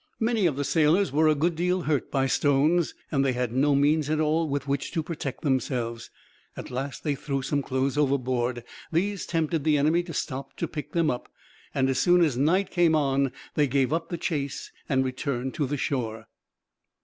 Many of the sailors were a good deal hurt by stones, and they had no means at all with which to protect themselves. At last they threw some clothes overboard; these tempted the enemy to stop to pick them up, and as soon as night came on they gave up the chase and returned to the shore.